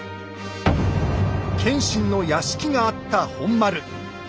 謙信の屋敷があった本丸。